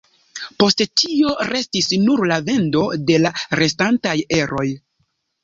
Post tio restis nur la vendo de la restantaj eroj.